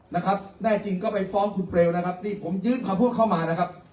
นะครับแน่จริงก็ไปฟ้องคุณเปลวนะครับนี่ผมยื่นคำพูดเข้ามานะครับ